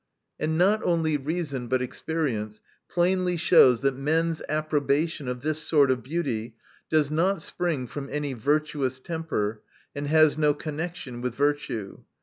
And not only reason, but experience plainly shows, that men's approbation of this sort of beauty, does not spring from any virtuous temper, and has no connection with virtue.